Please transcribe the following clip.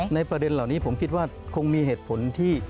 ประเด็นเหล่านี้ผมคิดว่าคงมีเหตุผลที่